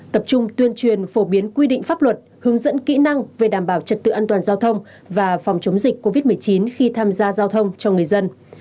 tập trung tuyên truyền phổ biến quy định pháp luật hướng dẫn kỹ năng về đảm bảo trật tự an toàn giao thông và phòng chống dịch covid một mươi chín khi tham gia giao thông cho người dân